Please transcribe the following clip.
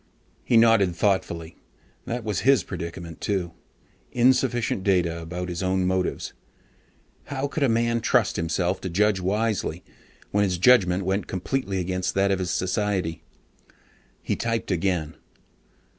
He nodded thoughtfully. That was his predicament too: insufficient data about his own motives. How could a man trust himself to judge wisely, when his judgement went completely against that of his society? He typed again.